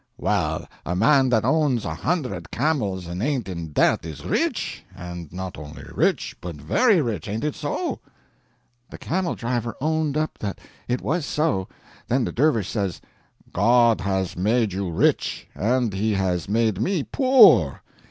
"Well, a man that owns a hundred camels and ain't in debt is rich—and not only rich, but very rich. Ain't it so?" The camel driver owned up that it was so. Then the dervish says: "God has made you rich, and He has made me poor.